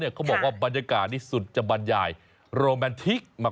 เขาบอกว่าบรรยากาศนี้สุดจะบรรยายโรแมนทิกมาก